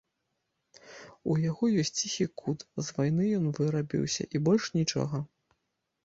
У яго ёсць ціхі кут, з вайны ён вырабіўся, і больш нічога.